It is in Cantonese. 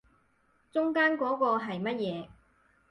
中間嗰個係乜嘢